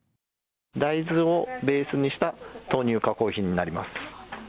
大豆をベースにした、豆乳加工品になります。